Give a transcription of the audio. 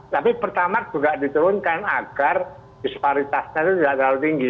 tapi pertama juga diturunkan agar disparitasnya itu tidak terlalu tinggi